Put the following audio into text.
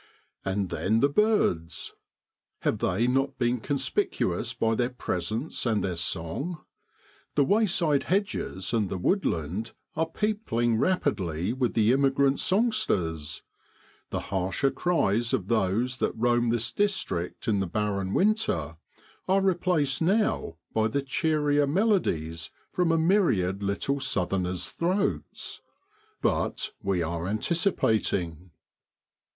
And then the birds ! Have they not been conspicu ous by their presence and their song? The wayside hedges and the woodland are peopling rapidly with the immigrant songsters; the harsher cries of those that roam this district in the barren winter are replaced now by the cheerier melodies from a myriad little Southerners' throats. Bat we are anticipating.